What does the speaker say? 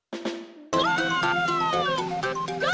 ゴー！